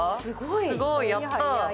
すごい、やった！